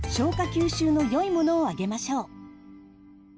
吸収のよいものをあげましょう。